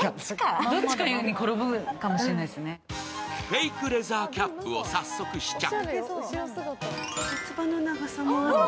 フェイクレザーキャップを早速、試着。